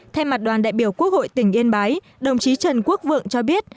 thay mặt đoàn đại biểu quốc hội tỉnh yên bái đồng chí trần quốc vượng cho biết